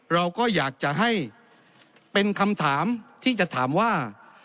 เราก็อยากจะให้เป็นคำถามที่จะถามว่า